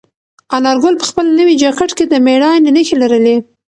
انارګل په خپل نوي جاکټ کې د مېړانې نښې لرلې.